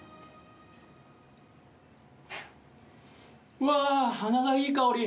うわ鼻がいい香り。